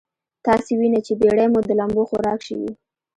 تاسې وينئ چې بېړۍ مو د لمبو خوراک شوې.